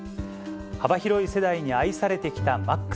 幅広い世代に愛されてきたＭａｘ。